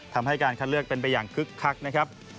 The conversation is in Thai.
ทำให้การคัดเลือกเป็นไปอย่างคึกคักนะครับ